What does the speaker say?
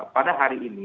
pada hari ini